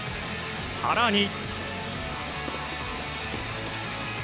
更に。